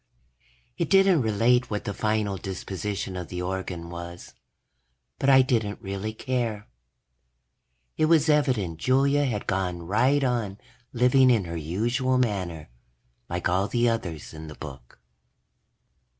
_ It didn't relate what the final disposition of the organ was, but I didn't really care. It was evident Julia had gone right on living in her usual manner, like all the others in the book.